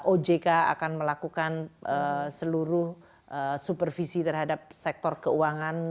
ojk akan melakukan seluruh supervisi terhadap sektor keuangan